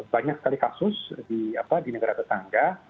banyak sekali kasus di negara tetangga